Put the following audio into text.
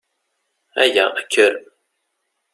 Aya! Kker!